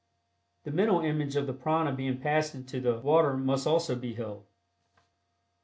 The mental image of the prana being passed into the water must also be held.